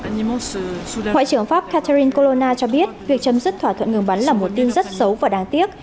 ngoại trưởng pháp catherine colona cho biết việc chấm dứt thỏa thuận ngừng bắn là một tin rất xấu và đáng tiếc